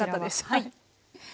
はい。